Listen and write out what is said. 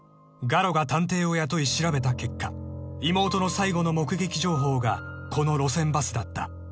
［ガロが探偵を雇い調べた結果妹の最後の目撃情報がこの路線バスだった］